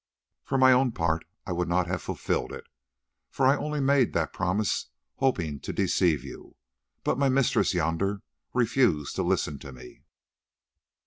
For my own part I would not have fulfilled it, for I only made it that promise hoping to deceive you. But my mistress yonder refused to listen to me.